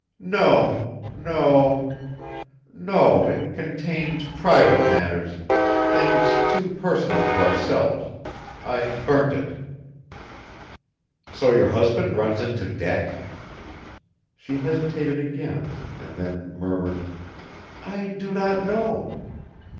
"No; no ... no ... it contained private matters ... things too personal to ourselves.... I burnt it." "So your husband runs into debt?" She hesitated again, and then murmured: "I do not know."